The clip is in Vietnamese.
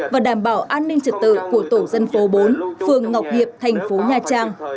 và đảm bảo an ninh trật tự của tổ dân phố bốn phường ngọc hiệp thành phố nha trang